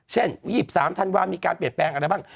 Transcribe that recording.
เช่น๒๓ครมละมีการเปลี่ยนอะไรบ้าง